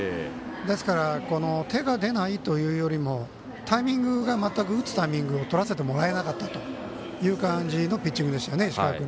ですから手が出ないというよりもタイミングが全く打つタイミングをとらせてもらえなかったという感じのピッチングでした。